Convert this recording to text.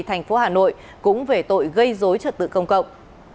tp hcm cũng về tội gây dối trợ tự công cộng